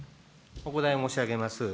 お答え申し上げます。